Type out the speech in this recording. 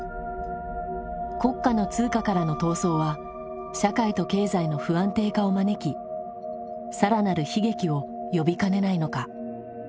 国家の通貨からの逃走は社会と経済の不安定化を招きさらなる悲劇を呼びかねないのか。